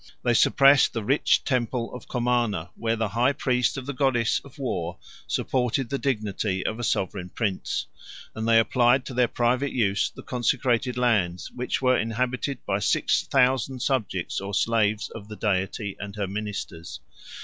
They suppressed the rich temple of Comana, where the high priest of the goddess of war supported the dignity of a sovereign prince; and they applied to their private use the consecrated lands, which were inhabited by six thousand subjects or slaves of the deity and her ministers.